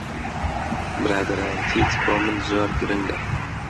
برادەرایەتیت بۆ من زۆر گرنگە.